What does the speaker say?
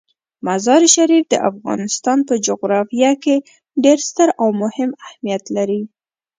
مزارشریف د افغانستان په جغرافیه کې ډیر ستر او مهم اهمیت لري.